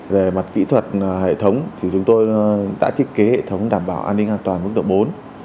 về mặt kỹ thuật hệ thống thì chúng tôi đã thiết kế hệ thống đảm bảo an ninh an toàn mức độ bốn